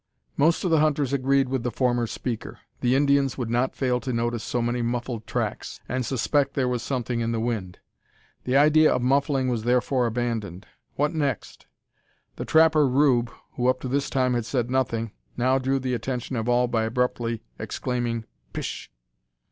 Most of the hunters agreed with the former speaker. The Indians would not fail to notice so many muffled tracks, and suspect there was something in the wind. The idea of "muffling" was therefore abandoned. What next? The trapper Rube, who up to this time had said nothing, now drew the attention of all by abruptly exclaiming, "Pish!"